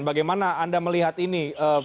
bagaimana anda melihat ini